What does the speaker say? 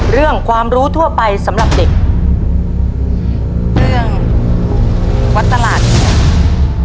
เรื่องความรู้ทั่วไปสำหรับเด็ก